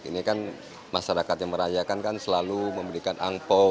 ini kan masyarakat yang merayakan kan selalu memberikan angpao